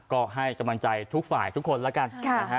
ก็ให้กำลังใจทุกฝ่ายทุกคนแล้วกันนะฮะ